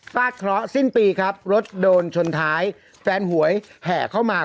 ฟาดเคราะห์สิ้นปีครับรถโดนชนท้ายแฟนหวยแห่เข้ามา